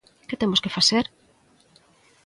Que temos que facer?